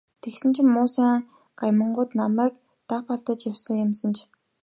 Тэгсэн чинь муусайн гамингууд намайг л даапаалж явсан юм санж.